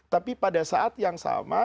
tapi pada saat yang sama